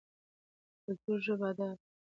کلتور, ژبه ، اداب، رسم رواج ډېر ښه پکې بيان شوي